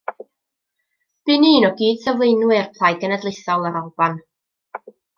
Bu'n un o gyd-sylfaenwyr Plaid Genedlaethol yr Alban.